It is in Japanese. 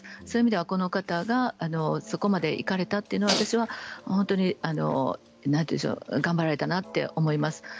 そういう意味では、この方がそこまで行かれたということは私は、頑張られたなと思います。